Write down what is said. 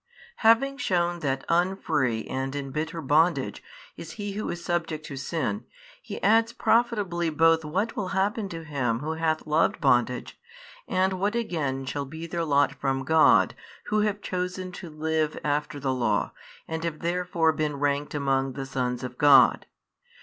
Having shewn that unfree and in bitter bondage is he who is subject to sin, He adds profitably both what will happen to him who hath loved bondage, and what again shall be their lot from God who have chosen to live after the Law and have therefore been ranked among the sons of God.